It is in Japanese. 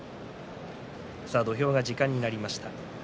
土俵が時間になりました。